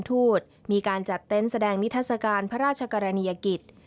ทูตมีการจัดเต็นต์แสดงนิทัศกาลพระราชกรณียกิจ